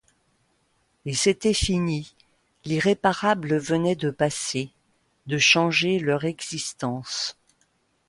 Et c'était fini, l'irréparable venait de passer, de changer leur existence.